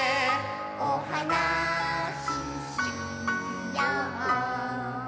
「おはなししよう」